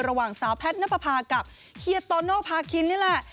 ระหว่างสาวแพทนปภากับเฮียตอนโนพาคินนี่แหละ